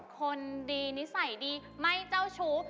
คนดีนิสัยดีไม่เจ้าชู้